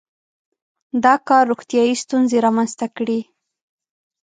• دا کار روغتیايي ستونزې رامنځته کړې.